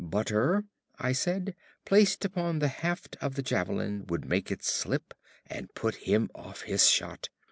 "Butter," I said, "placed upon the haft of the javelin, would make it slip, and put him off his shot.